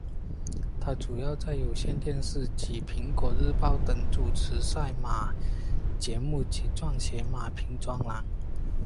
她主要在有线电视及苹果日报等主持赛马节目及撰写马评专栏。